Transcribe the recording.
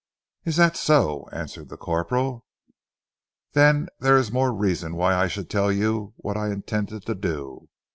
"Is that so?" answered the corporal. "Then there is more reason why I should tell you what I intended to do.